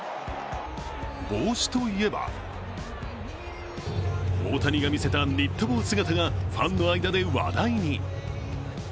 帽子といえば、大谷が見せたニット帽姿がファンの間で話題に。